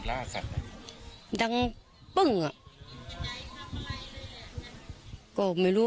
นางศรีพรายดาเสียยุ๕๑ปี